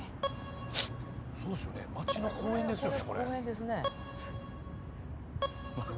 そうですよね町の公園ですよねこれ。